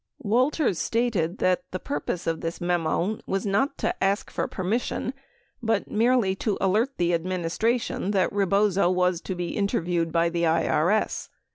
99 Walters stated that the purpose of this memo was not to ask for permission but merely to alert, the administration that Rebozo was to be interviewed by the IRS.